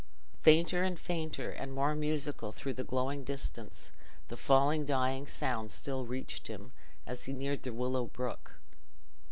Fainter and fainter, and more musical through the growing distance, the falling dying sound still reached him, as he neared the Willow Brook.